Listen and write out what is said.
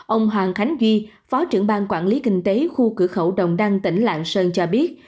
ông hoàng khánh duy phó trưởng bang quản lý kinh tế khu cửa khẩu đồng đăng tỉnh lạng sơn cho biết